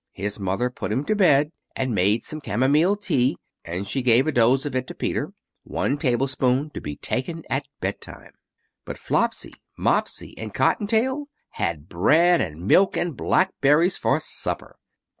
His mother put him to bed, and made some camomile tea; and she gave a dose of it to Peter! 'One table spoonful to be taken at bed time.' But Flopsy, Mopsy, and Cotton tail had bread and milk and blackberries for supper.